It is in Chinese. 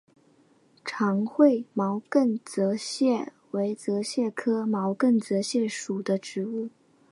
长喙毛茛泽泻为泽泻科毛茛泽泻属的植物。